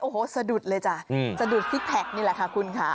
โอ้โหสะดุดเลยจ้ะสะดุดซิกแพคนี่แหละค่ะคุณค่ะ